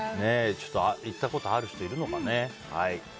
行ったことある人、いるのかね。